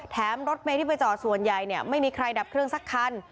รถเมย์ที่ไปจอดส่วนใหญ่เนี่ยไม่มีใครดับเครื่องสักคัน